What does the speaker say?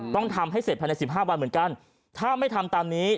ต้องทำให้เสร็จภายใน๑๕วันเหมือนกันถ้าไม่ทำตามนี้